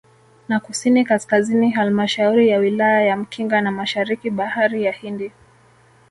Na Kusini Kaskazini Halmashauri ya Wilaya ya Mkinga na Mashariki bahari ya Hindi